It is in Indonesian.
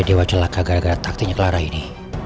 dewa celaka gara gara taktinya kelara ini